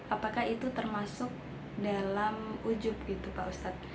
apakah itu termasuk dalam ujub gitu pak ustadz